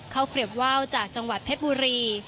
เกลียบว่าวจากจังหวัดเพชรบุรี